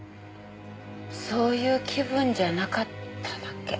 そういう気分じゃなかっただけ。